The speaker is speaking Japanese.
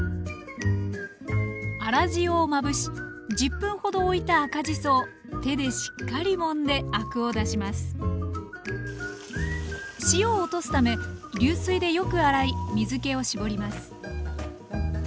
粗塩をまぶし１０分ほどおいた赤じそを手でしっかりもんでアクを出します塩を落とすため流水でよく洗い水けを絞ります